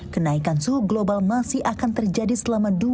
kenaikan suhu global masih berjalan